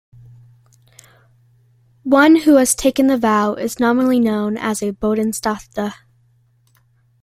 One who has taken the vow is nominally known as a Bodhisattva.